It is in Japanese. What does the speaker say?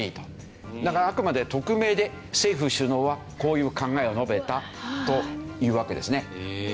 だからあくまで匿名で政府首脳はこういう考えを述べたというわけですね。